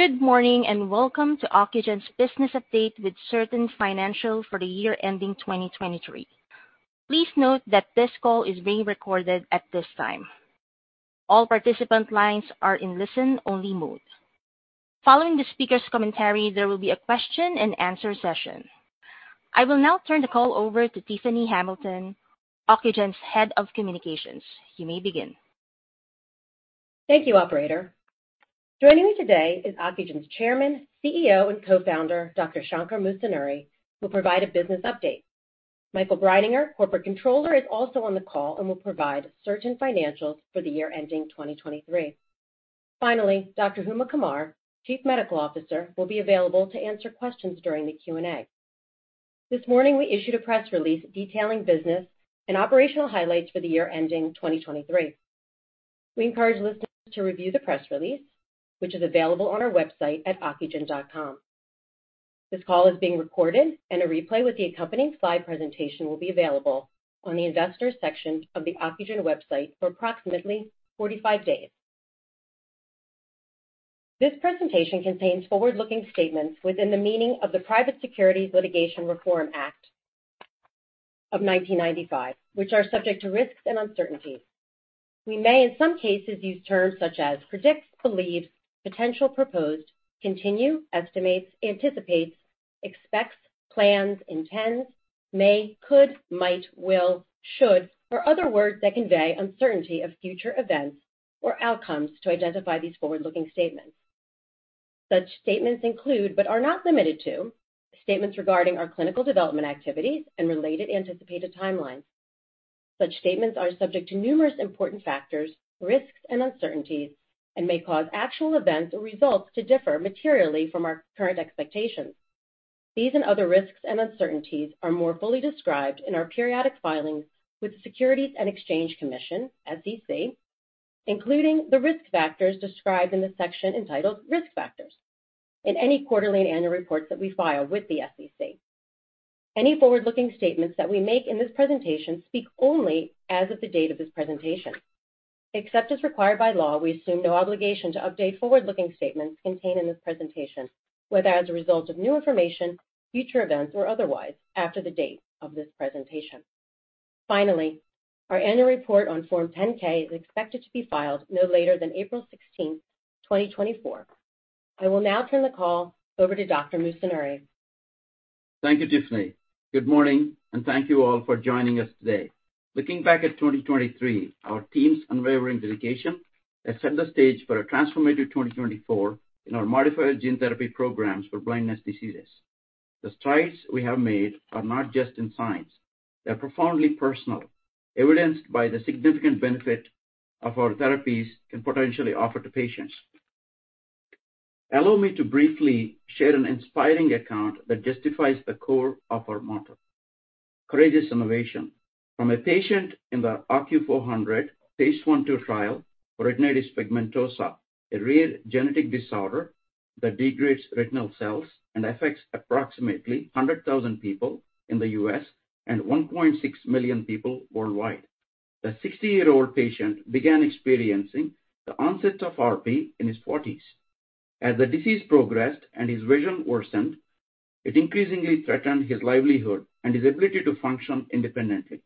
Good morning, and welcome to Ocugen's business update with certain financial for the year ending 2023. Please note that this call is being recorded at this time. All participant lines are in listen-only mode. Following the speaker's commentary, there will be a question-and-answer session. I will now turn the call over to Tiffany Hamilton, Ocugen's Head of Communications. You may begin. Thank you, operator. Joining me today is Ocugen's Chairman, CEO, and Co-founder, Dr. Shankar Musunuri, who will provide a business update. Michael Breininger, Corporate Controller, is also on the call and will provide certain financials for the year ending 2023. Finally, Dr. Huma Qamar, Chief Medical Officer, will be available to answer questions during the Q&A. This morning, we issued a press release detailing business and operational highlights for the year ending 2023. We encourage listeners to review the press release, which is available on our website at ocugen.com. This call is being recorded, and a replay with the accompanying slide presentation will be available on the Investors section of the Ocugen website for approximately 45 days. This presentation contains forward-looking statements within the meaning of the Private Securities Litigation Reform Act of 1995, which are subject to risks and uncertainties. We may, in some cases, use terms such as predicts, believes, potential, proposed, continue, estimates, anticipates, expects, plans, intends, may, could, might, will, should, or other words that convey uncertainty of future events or outcomes to identify these forward-looking statements. Such statements include, but are not limited to, statements regarding our clinical development activities and related anticipated timelines. Such statements are subject to numerous important factors, risks, and uncertainties, and may cause actual events or results to differ materially from our current expectations. These and other risks and uncertainties are more fully described in our periodic filings with the Securities and Exchange Commission, SEC, including the risk factors described in the section entitled "Risk Factors" in any quarterly and annual reports that we file with the SEC. Any forward-looking statements that we make in this presentation speak only as of the date of this presentation. Except as required by law, we assume no obligation to update forward-looking statements contained in this presentation, whether as a result of new information, future events, or otherwise, after the date of this presentation. Finally, our annual report on Form 10-K is expected to be filed no later than April 16, 2024. I will now turn the call over to Dr. Musunuri. Thank you, Tiffany. Good morning, and thank you all for joining us today. Looking back at 2023, our team's unwavering dedication has set the stage for a transformative 2024 in our modifier gene therapy programs for blindness diseases. The strides we have made are not just in science, they're profoundly personal, evidenced by the significant benefit of our therapies can potentially offer to patients. Allow me to briefly share an inspiring account that justifies the core of our motto, "Courageous Innovation," from a patient in the OCU400 phase 1/2 trial for retinitis pigmentosa, a rare genetic disorder that degrades retinal cells and affects approximately 100,000 people in the U.S. and 1.6 million people worldwide. The 60-year-old patient began experiencing the onset of RP in his forties. As the disease progressed and his vision worsened, it increasingly threatened his livelihood and his ability to function independently.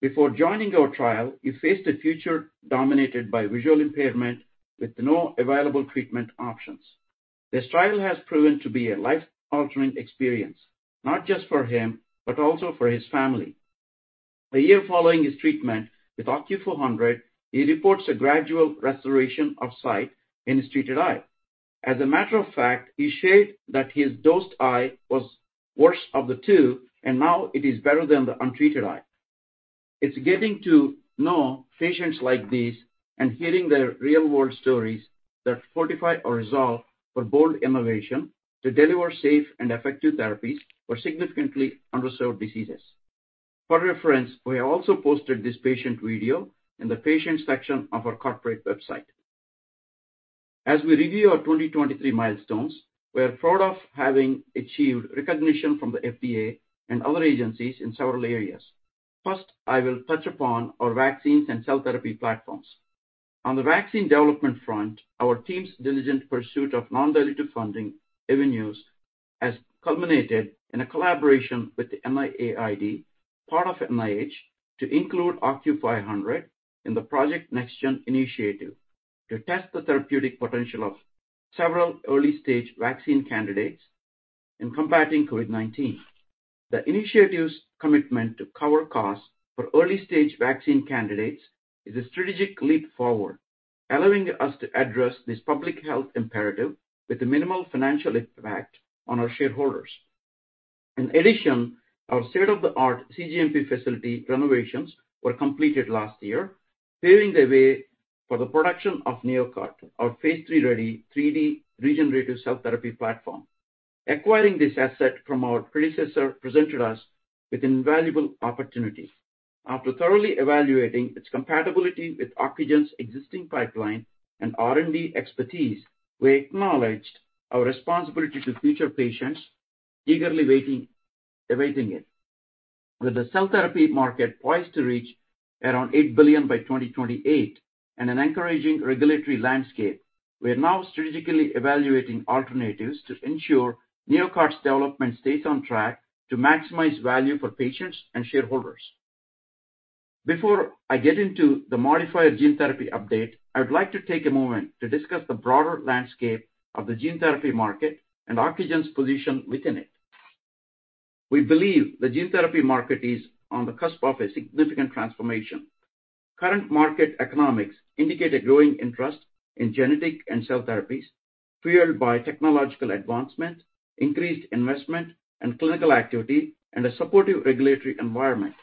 Before joining our trial, he faced a future dominated by visual impairment with no available treatment options. This trial has proven to be a life-altering experience, not just for him, but also for his family. A year following his treatment with OCU400, he reports a gradual restoration of sight in his treated eye. As a matter of fact, he shared that his dosed eye was worse of the two, and now it is better than the untreated eye. It's getting to know patients like these and hearing their real-world stories that fortify our resolve for bold innovation to deliver safe and effective therapies for significantly underserved diseases. For reference, we have also posted this patient video in the patient section of our corporate website. As we review our 2023 milestones, we are proud of having achieved recognition from the FDA and other agencies in several areas. First, I will touch upon our vaccines and cell therapy platforms. On the vaccine development front, our team's diligent pursuit of non-dilutive funding avenues has culminated in a collaboration with the NIAID, part of NIH, to include OCU500 in the Project NextGen initiative to test the therapeutic potential of several early-stage vaccine candidates in combating COVID-19. The initiative's commitment to cover costs for early-stage vaccine candidates is a strategic leap forward, allowing us to address this public health imperative with a minimal financial impact on our shareholders. In addition, our state-of-the-art cGMP facility renovations were completed last year, paving the way for the production of NeoCart, our phase 3-ready 3D regenerative cell therapy platform. Acquiring this asset from our predecessor presented us with an invaluable opportunity. After thoroughly evaluating its compatibility with Ocugen's existing pipeline and R&D expertise, we acknowledged our responsibility to future patients eagerly awaiting it. With the cell therapy market poised to reach around $8 billion by 2028, and an encouraging regulatory landscape, we are now strategically evaluating alternatives to ensure NeoCart's development stays on track to maximize value for patients and shareholders. Before I get into the modifier gene therapy update, I would like to take a moment to discuss the broader landscape of the gene therapy market and Ocugen's position within it. We believe the gene therapy market is on the cusp of a significant transformation. Current market economics indicate a growing interest in genetic and cell therapies, fueled by technological advancement, increased investment, and clinical activity, and a supportive regulatory environment.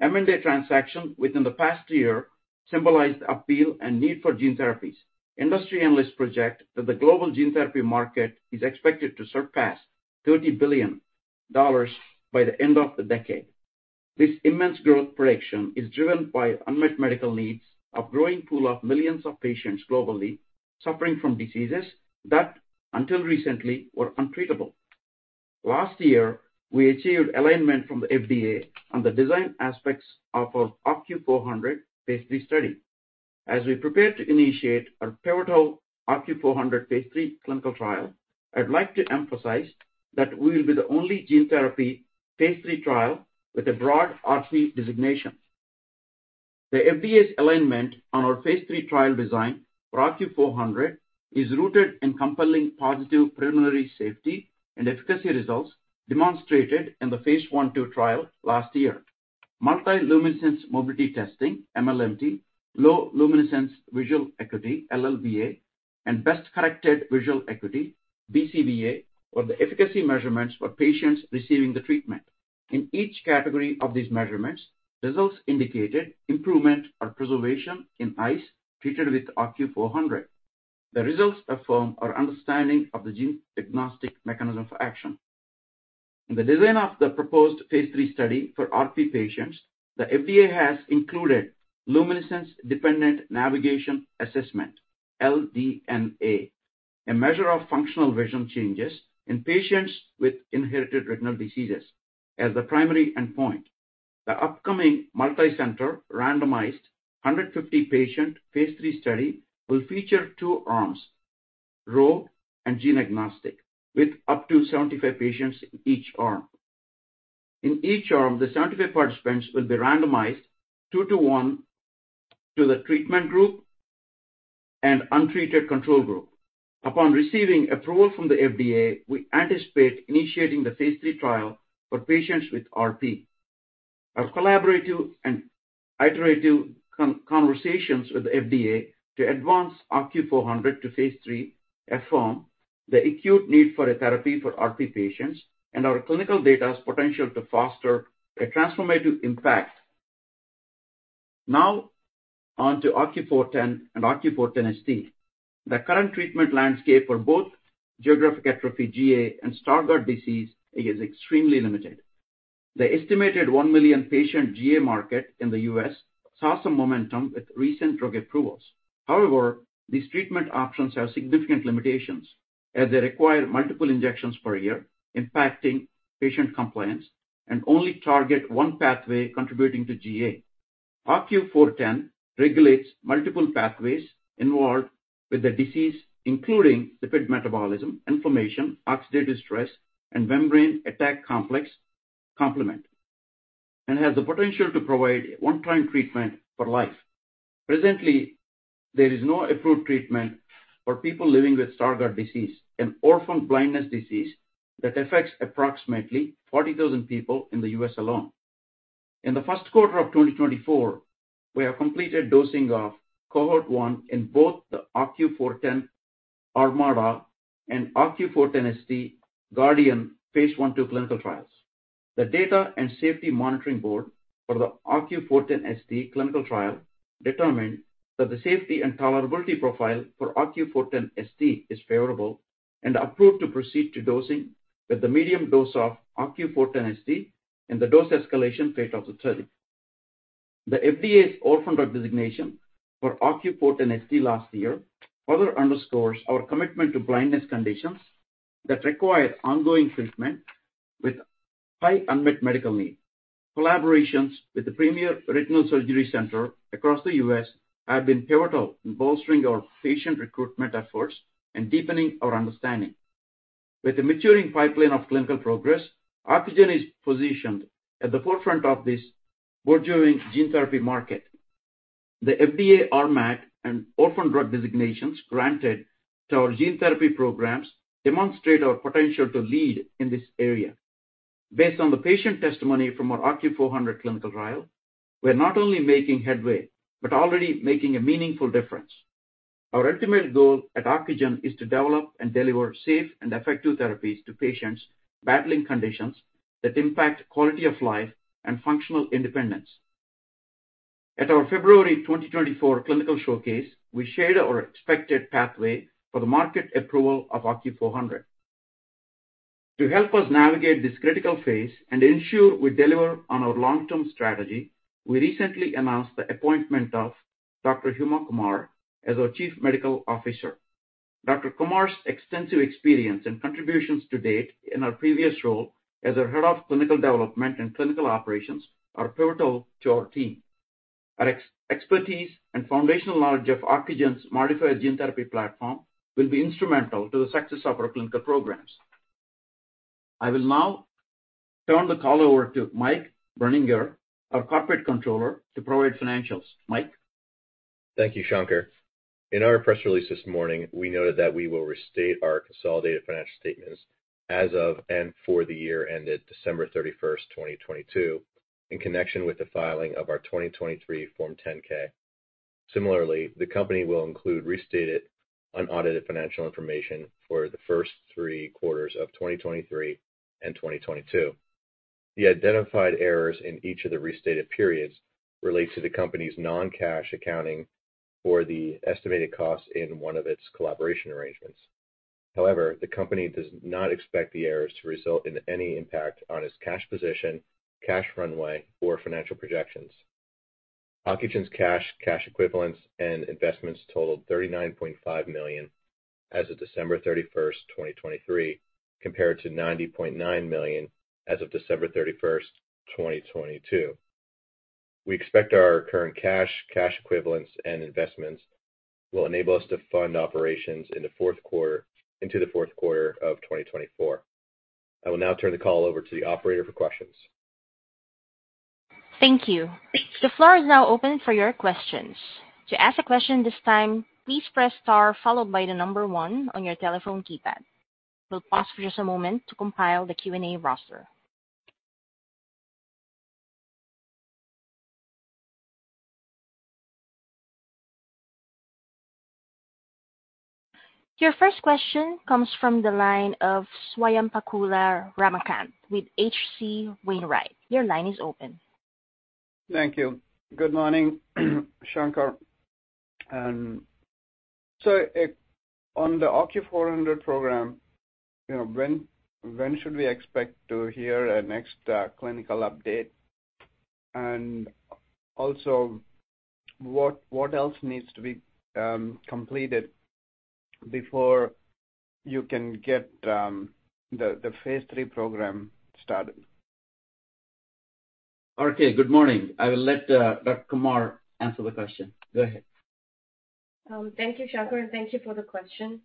M&A transactions within the past year symbolize the appeal and need for gene therapies. Industry analysts project that the global gene therapy market is expected to surpass $30 billion by the end of the decade. This immense growth prediction is driven by unmet medical needs, a growing pool of millions of patients globally suffering from diseases that, until recently, were untreatable. Last year, we achieved alignment from the FDA on the design aspects of our OCU400 phase 3 study. As we prepare to initiate our pivotal OCU400 phase 3 clinical trial, I'd like to emphasize that we will be the only gene therapy phase 3 trial with a broad RP designation. The FDA's alignment on our phase 3 trial design for OCU400 is rooted in compelling positive preliminary safety and efficacy results demonstrated in the phase 1/2 trial last year. Multi-luminance mobility testing, MLMT, low luminance visual acuity, LLVA, and best-corrected visual acuity, BCVA, were the efficacy measurements for patients receiving the treatment. In each category of these measurements, results indicated improvement or preservation in eyes treated with OCU400. The results affirm our understanding of the gene agnostic mechanism for action. In the design of the proposed phase 3 study for RP patients, the FDA has included Luminance-Dependent Navigation Assessment, LDNA, a measure of functional vision changes in patients with inherited retinal diseases as the primary endpoint. The upcoming multicenter, randomized, 150-patient phase 3 study will feature two arms, Rho and gene agnostic, with up to 75 patients in each arm. In each arm, the 75 participants will be randomized 2-to-1 to the treatment group and untreated control group. Upon receiving approval from the FDA, we anticipate initiating the phase 3 trial for patients with RP. Our collaborative and iterative conversations with the FDA to advance OCU400 to phase 3 affirm the acute need for a therapy for RP patients and our clinical data's potential to foster a transformative impact. Now on to OCU410 and OCU410ST. The current treatment landscape for both geographic atrophy, GA, and Stargardt disease is extremely limited. The estimated 1 million patient GA market in the U.S. saw some momentum with recent drug approvals. However, these treatment options have significant limitations, as they require multiple injections per year, impacting patient compliance, and only target one pathway contributing to GA. OCU410 regulates multiple pathways involved with the disease, including lipid metabolism, inflammation, oxidative stress, and membrane attack complex complement, and has the potential to provide a one-time treatment for life. Presently, there is no approved treatment for people living with Stargardt disease, an orphan blindness disease that affects approximately 40,000 people in the U.S. alone. In the Q1 of 2024, we have completed dosing of cohort 1 in both the OCU410 Armada and OCU410ST Guardian phase 1, 2 clinical trials. The Data and Safety Monitoring Board for the OCU410ST clinical trial determined that the safety and tolerability profile for OCU410ST is favorable and approved to proceed to dosing with the medium dose of OCU410ST in the dose escalation phase of the study. The FDA's orphan drug designation for OCU410ST last year further underscores our commitment to blindness conditions that require ongoing treatment with high unmet medical need. Collaborations with the premier retinal surgery center across the U.S. have been pivotal in bolstering our patient recruitment efforts and deepening our understanding. With a maturing pipeline of clinical progress, Ocugen is positioned at the forefront of this burgeoning gene therapy market. The FDA RMAT and orphan drug designations granted to our gene therapy programs demonstrate our potential to lead in this area. Based on the patient testimony from our OCU400 clinical trial, we are not only making headway, but already making a meaningful difference. Our ultimate goal at Ocugen is to develop and deliver safe and effective therapies to patients battling conditions that impact quality of life and functional independence. At our February 2024 clinical showcase, we shared our expected pathway for the market approval of OCU400. To help us navigate this critical phase and ensure we deliver on our long-term strategy, we recently announced the appointment of Dr. Huma Qamar as our Chief Medical Officer.... Dr. Qamar's extensive experience and contributions to date in her previous role as our Head of Clinical Development and Clinical Operations are pivotal to our team. Her expertise and foundational knowledge of Ocugen's modifier gene therapy platform will be instrumental to the success of our clinical programs. I will now turn the call over to Mike Breininger, our Corporate Controller, to provide financials. Mike? Thank you, Shankar. In our press release this morning, we noted that we will restate our consolidated financial statements as of, and for the year ended December 31, 2022, in connection with the filing of our 2023 Form 10-K. Similarly, the company will include restated unaudited financial information for the first Q3 of 2023 and 2022. The identified errors in each of the restated periods relates to the company's non-cash accounting for the estimated costs in one of its collaboration arrangements. However, the company does not expect the errors to result in any impact on its cash position, cash runway, or financial projections. Ocugen's cash, cash equivalents, and investments totaled $39.5 million as of December 31, 2023, compared to $90.9 million as of December 31, 2022. We expect our current cash, cash equivalents, and investments will enable us to fund operations into the Q4 of 2024. I will now turn the call over to the operator for questions. Thank you. The floor is now open for your questions. To ask a question this time, please press star followed by the number one on your telephone keypad. We'll pause for just a moment to compile the Q&A roster. Your first question comes from the line of Swayampakula Ramakanth with H.C. Wainwright. Your line is open. Thank you. Good morning, Shankar. So, on the OCU400 program, you know, when should we expect to hear a next clinical update? And also, what else needs to be completed before you can get the phase 3 program started? Okay. Good morning. I will let Dr. Qamar answer the question. Go ahead. Thank you, Shankar, and thank you for the question.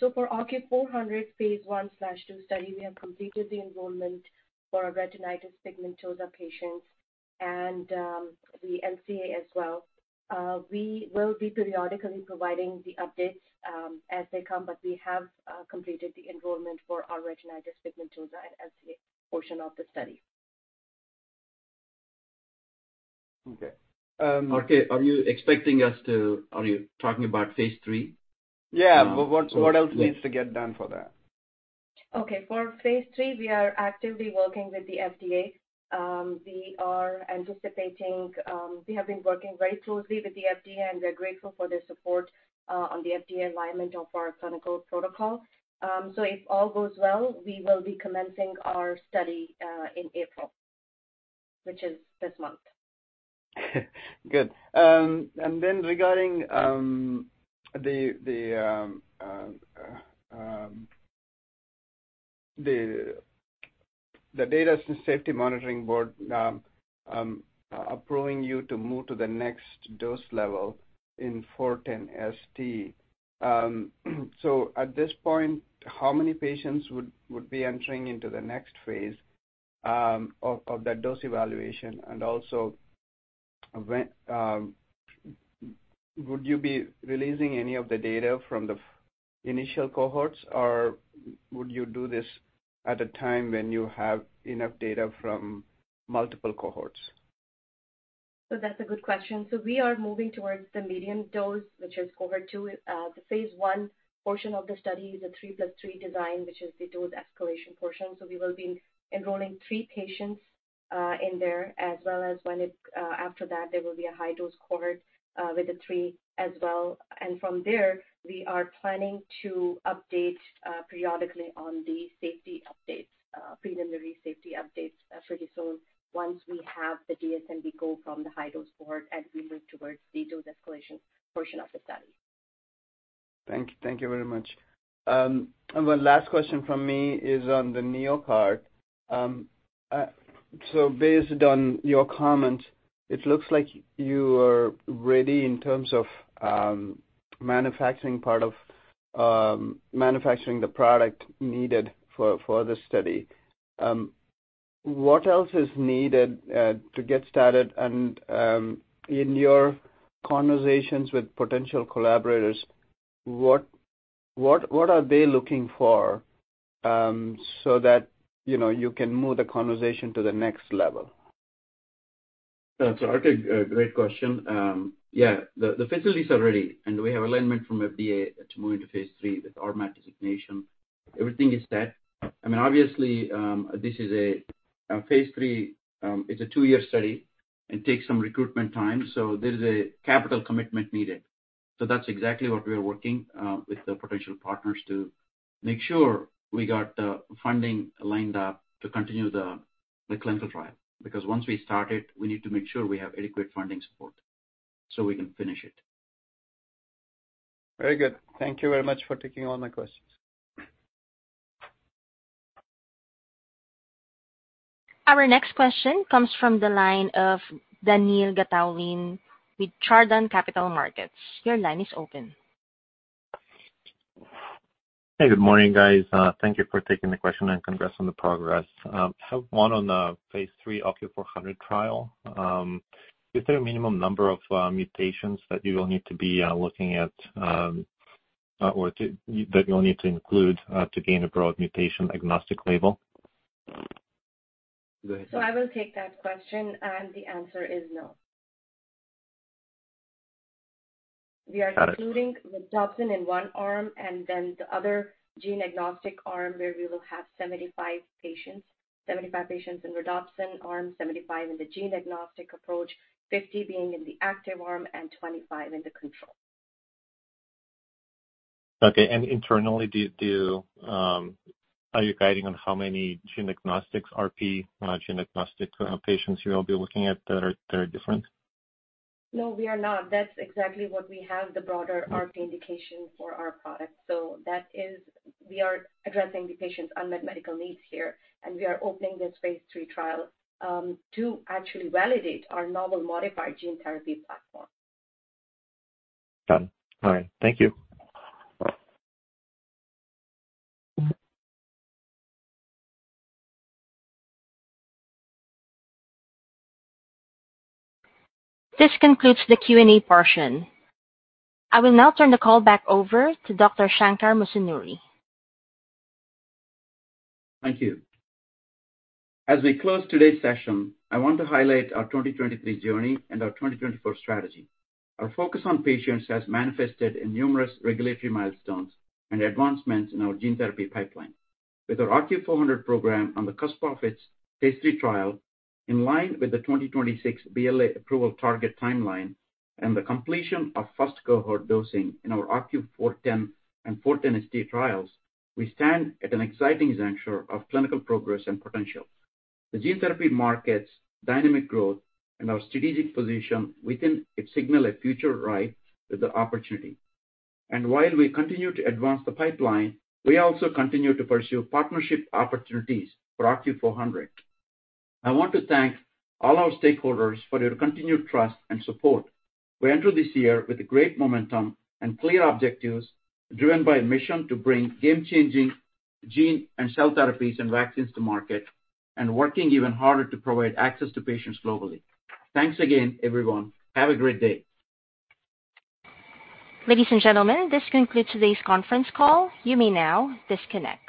So for OCU400 phase 1/2 study, we have completed the enrollment for our retinitis pigmentosa patients and, the LCA as well. We will be periodically providing the updates, as they come, but we have, completed the enrollment for our retinitis pigmentosa and LCA portion of the study. Okay. Um- Okay, are you expecting us to... Are you talking about phase 3? Yeah, but what else needs to get done for that? Okay. For phase three, we are actively working with the FDA. We are anticipating, we have been working very closely with the FDA, and we're grateful for their support, on the FDA alignment of our clinical protocol. So if all goes well, we will be commencing our study, in April, which is this month. Good. And then regarding the Data and Safety Monitoring Board approving you to move to the next dose level in OCU410ST. So at this point, how many patients would be entering into the next phase of that dose evaluation? And also, when would you be releasing any of the data from the initial cohorts, or would you do this at a time when you have enough data from multiple cohorts? So that's a good question. We are moving towards the medium dose, which is cohort 2. The phase 1 portion of the study is a 3 + 3 design, which is the dose escalation portion. We will be enrolling 3 patients in there, as well as after that, there will be a high-dose cohort with the 3 as well. From there, we are planning to update periodically on the safety updates, preliminary safety updates, pretty soon once we have the DSMB go from the high-dose cohort, and we move towards the dose escalation portion of the study. Thank you very much. And one last question from me is on the NeoCart. So based on your comments, it looks like you are ready in terms of manufacturing part of manufacturing the product needed for this study. What else is needed to get started? And in your conversations with potential collaborators, what are they looking for so that you know you can move the conversation to the next level? So okay, great question. Yeah, the facilities are ready, and we have alignment from FDA to move into phase three with RMAT designation. Everything is set. I mean, obviously, this is a phase three, it's a two-year study and takes some recruitment time, so there is a capital commitment needed. So that's exactly what we are working with the potential partners to make sure we got the funding lined up to continue the clinical trial, because once we start it, we need to make sure we have adequate funding support so we can finish it. Very good. Thank you very much for taking all my questions. Our next question comes from the line of Daniil Gataulin with Chardan Capital Markets. Your line is open. Hey, good morning, guys. Thank you for taking the question, and congrats on the progress. I have one on the Phase 3 OCU400 trial. Is there a minimum number of mutations that you will need to be looking at, or that you'll need to include, to gain a broad mutation-agnostic label? Go ahead. So I will take that question, and the answer is no. We are including- Got it. Rhodopsin in one arm, and then the other gene-agnostic arm, where we will have 75 patients. 75 patients in Rhodopsin arm, 75 in the gene-agnostic approach, 50 being in the active arm and 25 in the control. Okay. And internally, are you guiding on how many gene-agnostic RP patients you will be looking at that are different? No, we are not. That's exactly what we have, the broader RP indication for our product. So that is, we are addressing the patients' unmet medical needs here, and we are opening this phase 3 trial to actually validate our novel modified gene therapy platform. Done. All right, thank you. This concludes the Q&A portion. I will now turn the call back over to Dr. Shankar Musunuri. Thank you. As we close today's session, I want to highlight our 2023 journey and our 2024 strategy. Our focus on patients has manifested in numerous regulatory milestones and advancements in our gene therapy pipeline. With our OCU400 program on the cusp of its phase 3 trial, in line with the 2026 BLA approval target timeline and the completion of first cohort dosing in our OCU410 and OCU410ST trials, we stand at an exciting juncture of clinical progress and potential. The gene therapy market's dynamic growth and our strategic position within it signal a future ripe with the opportunity. And while we continue to advance the pipeline, we also continue to pursue partnership opportunities for OCU400. I want to thank all our stakeholders for their continued trust and support. We enter this year with great momentum and clear objectives, driven by a mission to bring game-changing gene and cell therapies and vaccines to market, and working even harder to provide access to patients globally. Thanks again, everyone. Have a great day. Ladies and gentlemen, this concludes today's conference call. You may now disconnect.